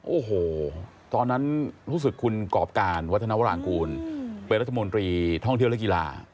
โอ้โหตอนนั้นรู้สึกคุณกรอบการวัฒนาวรางกูลเป็นรัฐมนตรีท่องเที่ยวและกีฬา